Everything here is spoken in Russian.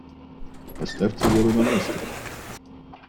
Поставьте Веру на место!